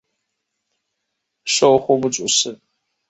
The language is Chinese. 授户部主事。